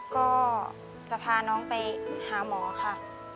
ก็จะพาน้องไปหาหมอค่ะ